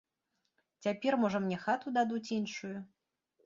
Цяпер, можа, мне хату дадуць іншую.